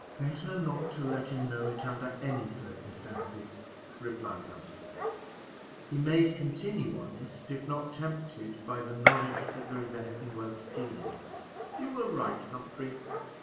"Better not let him know it under any circumstances," replied Humphrey; "he may continue honest, if not tempted by the knowledge that there is any thing worth stealing." "You are right, Humphrey.